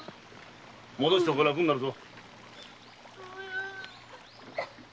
もどした方が楽になるぞ。